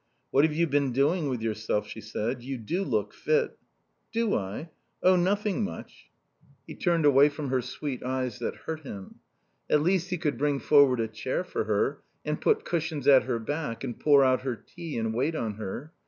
"What have you been doing with yourself?" she said. "You do look fit." "Do I? Oh, nothing much." He turned away from her sweet eyes that hurt him. At least he could bring forward a chair for her, and put cushions at her back, and pour out her tea and wait on her.